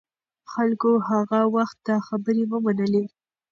خلکو هغه وخت دا خبرې ومنلې.